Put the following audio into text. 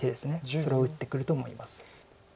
それを打ってくると思います。